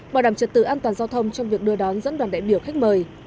bảo đảm trật tự an toàn giao thông trong việc đưa đón dẫn đoàn đại biểu khách mời